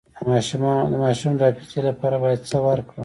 د ماشوم د حافظې لپاره باید څه ورکړم؟